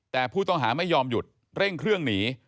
แต่ผู้ต้องหาไม่ยอมหยุดเร่งเครื่องหนี